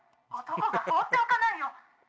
「男が放っておかないよ」